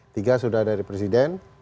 tiga sudah dari presiden